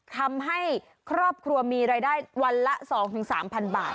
ทำให้ครอบครัวมีรายได้วันละ๒๓๐๐๐บาท